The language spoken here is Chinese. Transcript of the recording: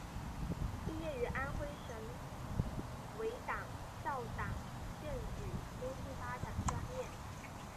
毕业于安徽省委党校党建与经济发展专业。